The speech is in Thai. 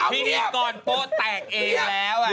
พี่อีกก่อนโป๊ะแตกเองแล้ว